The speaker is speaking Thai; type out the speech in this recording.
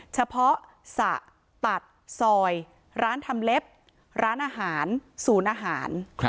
เฉพาะสระตัดซอยร้านทำเล็บร้านอาหารศูนย์อาหาร